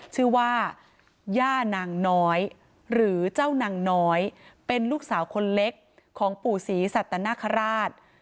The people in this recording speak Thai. ชื่อว่าย่านางน้อยหรือเจ้านางน้อยเป็นลูกสาวคนเล็กของปู่ศรีสัตนคราช